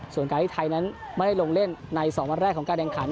ส่วนการที่ไทยนั้นไม่ได้ลงเล่นใน๒วันแรกของการแข่งขัน